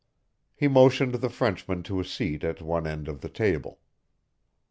He motioned the Frenchman to a seat at one end of the table.